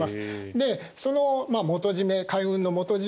でその元締め海運の元締めに。